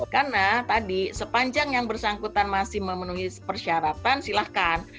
karena tadi sepanjang yang bersangkutan masih memenuhi persyaratan silahkan